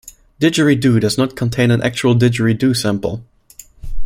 "Digeridoo" does not contain an actual didgeridoo sample.